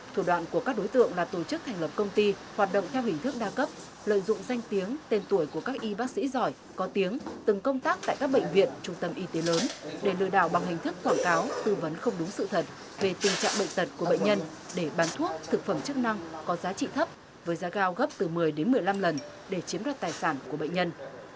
thủ đoạn của các đối tượng là tổ chức thành lập công ty hoạt động theo hình thức đa cấp lợi dụng danh tiếng tên tuổi của các y bác sĩ giỏi có tiếng từng công tác tại các bệnh viện trung tâm y tế lớn để lừa đào bằng hình thức thỏa cáo tư vấn không đúng sự thật về tình trạng bệnh tật của bệnh nhân để bán thuốc thực phẩm chức năng có giá trị thấp với giá cao gấp từ một mươi đến một mươi năm lần để chiếm đoạt tài sản của bệnh nhân